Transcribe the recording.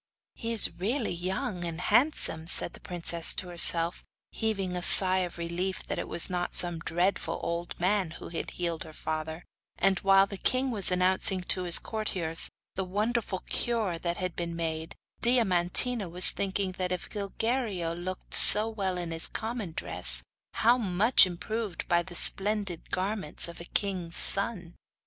'He is really young and handsome,' said the princess to herself, heaving a sigh of relief that it was not some dreadful old man who had healed her father; and while the king was announcing to his courtiers the wonderful cure that had been made, Diamantina was thinking that if Gilguerillo looked so well in his common dress, how much improved by the splendid garments of a king' son.